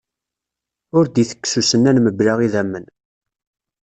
Ur d-itekkes usennan mebla idammen.